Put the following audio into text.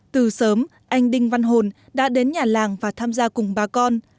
từ sớm anh đinh văn hồn đã đến nhà làng và tham gia cùng bà con